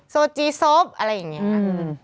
โซจิโซปอะไรอย่างนี้